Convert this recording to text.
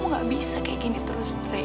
kamu nggak bisa kayak gini terus dre